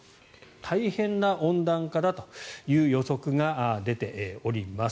大変な温暖化だという予測が出ております。